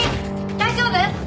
大丈夫。